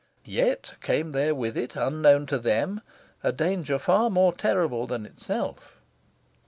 (Yet came there with it, unknown to them, a danger far more terrible than itself.)